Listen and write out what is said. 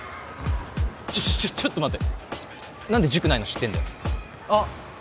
ちょちょちょちょっと待って何で塾ないの知ってんだよあっ！